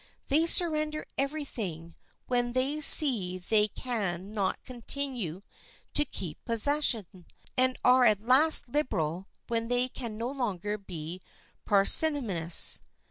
They surrender every thing when they see they can not continue to keep possession, and are at last liberal when they can no longer be parsimonious.